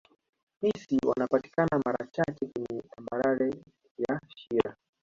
Fisi wanapatikana mara chache kweye tambarare ya shira